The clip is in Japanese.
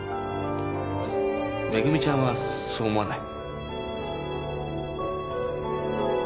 恵ちゃんはそう思わない？